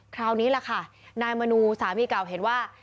คราวนี้แหละค่ะนายมนูสามีเก่าเห็นว่า